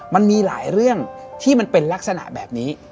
มันมีหลายเรื่องที่มันเป็นลักษณะแบบนี้